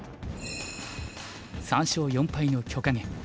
３勝４敗の許家元。